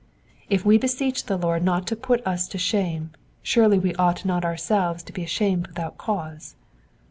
If we beseech the Lord not to put us ^o shame, surely we ought not ourselves to be ashamed without cause.